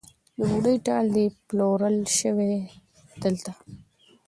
د بوډۍ ټال دی پلورل شوی دلته